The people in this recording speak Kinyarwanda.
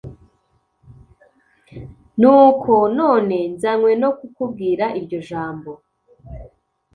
Nuko none nzanywe no kukubwira iryo jambo